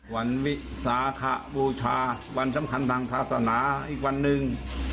วิสาขบูชาวันสำคัญทางศาสนาอีกวันหนึ่ง